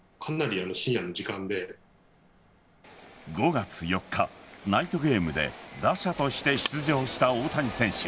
５月４日、ナイトゲームで打者として出場した大谷選手。